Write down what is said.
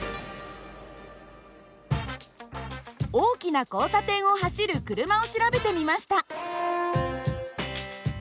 大きな交差点を走る車を調べてみました。